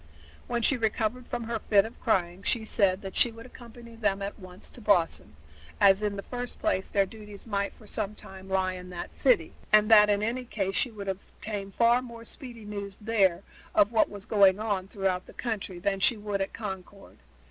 When she recovered from her fit of crying she said that she would accompany them at once to Boston, as in the first place their duties might for some time lie in that city, and that in any case she would obtain far more speedy news there of what was going on throughout the country than she would at Concord.